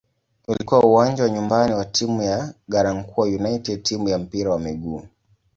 Ulikuwa uwanja wa nyumbani wa timu ya "Garankuwa United" timu ya mpira wa miguu.